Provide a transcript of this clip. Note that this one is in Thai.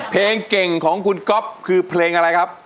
เพลงเก่งของคุณก๊อฟคือเพลงอะไรครับ